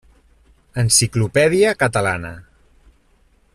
Enciclopèdia Catalana.